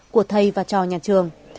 của thầy và trò nhà trường